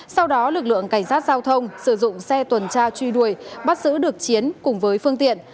sau đó lực lượng cảnh sát giao thông sử dụng xe tuần tra truy đuổi bắt giữ được chiến cùng với phương tiện